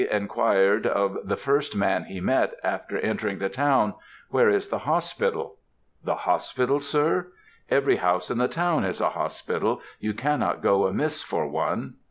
inquired of the first man he met after entering the town, "Where is the hospital?" "The hospital, sir? Every house in the town is a hospital; you cannot go amiss for one."